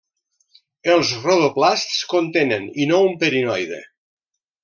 Els rodoplasts contenen i no un pirenoide.